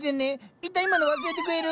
一旦今の忘れてくれる？